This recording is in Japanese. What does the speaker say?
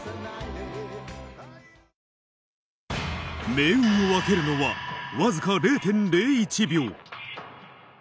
命運を分けるのは、僅か０．０１秒。